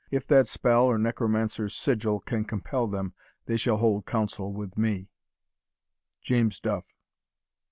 If that spell Or necromancer's sigil can compel them, They shall hold council with me. JAMES DUFF.